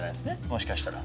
もしかしたら。